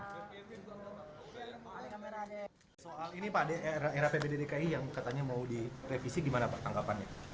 soal ini pak era pbd dki yang katanya mau direvisi gimana pak tanggapannya